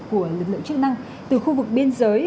của lực lượng chức năng từ khu vực biên giới